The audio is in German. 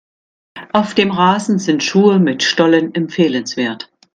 Auf dem Rasen sind Schuhe mit Stollen empfehlenswert.